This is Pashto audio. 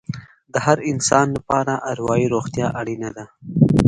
د هر انسان لپاره اروايي روغتیا اړینه ده.